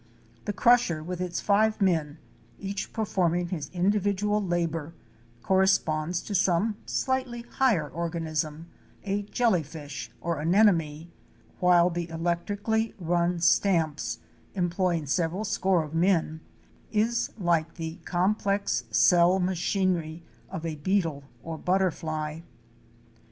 The crusher with its five men, each performing his individual labor, corresponds to some slightly higher organism — a jelly fish or anemone,—while the electrically run stamps, employing several score of men, is like the complex cell machinery of a beetle or butterfly.